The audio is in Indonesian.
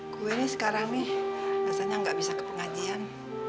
gue nih sekarang nih rasanya gak bisa ke pengajian